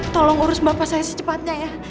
tolong urus bapak saya secepatnya ya